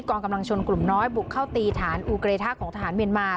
องกำลังชนกลุ่มน้อยบุกเข้าตีฐานอูเกรทะของทหารเมียนมา